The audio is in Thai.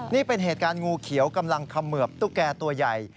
นี่เป็นเหตุการณ์งูเขียวกำลังเขมือบตุ๊กแก่ตัวใหญ่